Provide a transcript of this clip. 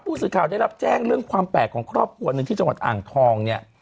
ผู้สื่อข่าวได้รับแจ้งเรื่องความแปลกของครอบครัวหนึ่งที่จังหวัดอ่างทองเนี่ย